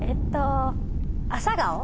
アサガオ。